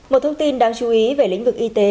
một thông tin đáng chú ý về lĩnh vực y tế